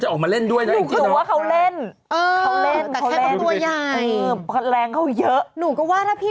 แต่แค่พักตัวใหญ่